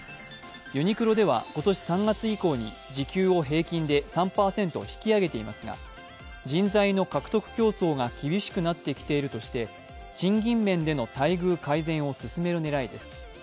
ユニクロでは今年３月以降に時給を平均で３％引き上げていますが人材の獲得競争が厳しくなってきているとして賃金面での待遇改善を進める狙いです。